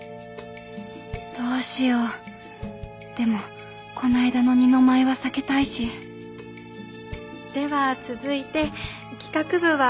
どうしようでもこないだの二の舞は避けたいしでは続いて企画部はオトワヤの何階に。